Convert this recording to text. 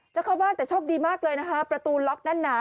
จะเข้าบ้านแต่โชคดีมากเลยนะคะประตูล็อกแน่นหนา